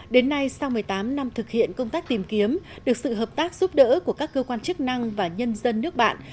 đến nay sau một mươi tám năm thực hiện công tác tìm kiếm được sự hợp tác giúp đỡ của các cơ quan chức năng và nhân dân nước bạn